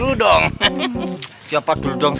ada apaan sih